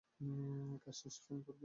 কাজ শেষে ফেন করব।